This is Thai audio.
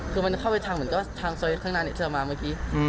คือมันเข้าไปทางเหมือนก็ทางซอยข้างหน้าที่เรามาเมื่อกี้